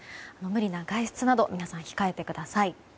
無理な外出など皆さん、控えてください。